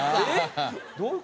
どういう事？